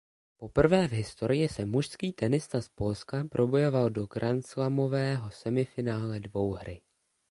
Poprvé v historii se mužský tenista z Polska probojoval do grandslamového semifinále dvouhry.